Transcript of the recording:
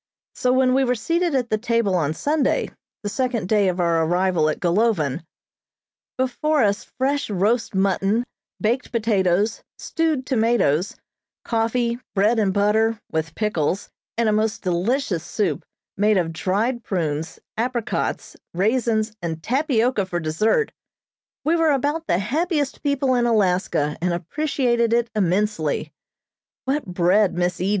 So when we were seated at the table on Sunday, the second day of our arrival at Golovin, before us fresh roast mutton, baked potatoes, stewed tomatoes, coffee, bread and butter, with pickles, and a most delicious soup made of dried prunes, apricots, raisins and tapioca for dessert, we were about the happiest people in Alaska and appreciated it immensely. What bread Miss E.